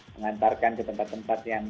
mengantarkan ke tempat tempat yang